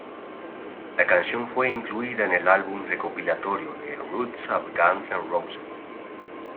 La canción fue incluida en el álbum recopilatorio ""The Roots of Guns N' Roses".